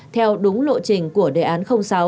theo đúng lộ trình của đề án sáu